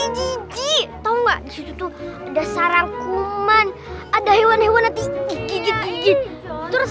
iji iji tahu enggak disitu ada sarang kuman ada hewan hewan nanti gigit gigit terus